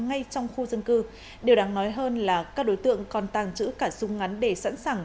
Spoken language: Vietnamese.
ngay trong khu dân cư điều đáng nói hơn là các đối tượng còn tàng trữ cả súng ngắn để sẵn sàng